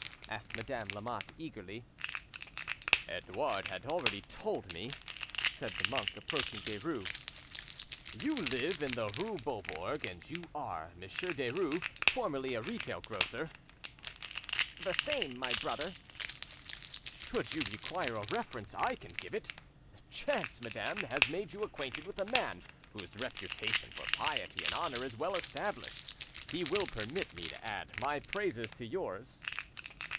asked Madame de Lamotte eagerly. "Edouard had already told me," said the monk, approaching Derues. "You live in the, rue Beaubourg, and you are Monsieur Derues, formerly a retail grocer?" "The same, my brother." "Should you require a reference, I can give it. Chance, madame, has made you acquainted with a man whose, reputation for piety and honour is well established; he will permit me to add my praises to yours."